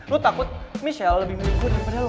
lo takut michelle lebih menikah daripada lo